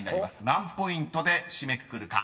［何ポイントで締めくくるか？］